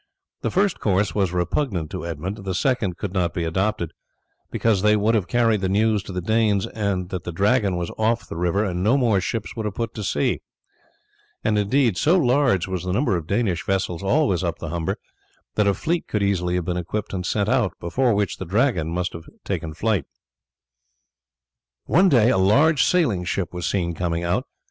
The first course was repugnant to Edmund, the second could not be adopted, because they would have carried the news to the Danes, that the Dragon was off the river and no more ships would have put to sea; and indeed, so large was the number of Danish vessels always up the Humber that a fleet could easily have been equipped and sent out, before which the Dragon must have taken flight. One day a large sailing ship was seen coming out.